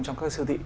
trong các siêu thị